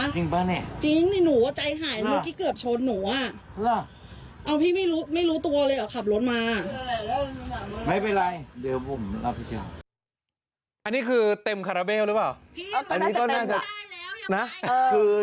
จริงป่อจริงหนูใจหายเคยเกือบชนหนูอ่ะ